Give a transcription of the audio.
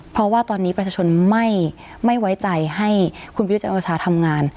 เพราะว่าตอนนี้ประชาชนไม่ไว้ใจให้คุณประยุทธ์จันทร์โอชาทำงาน